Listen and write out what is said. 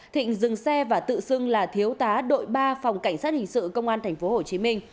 thịnh dừng xe và tự xưng là thiếu tá đội ba phòng cảnh sát hình sự công an tp hcm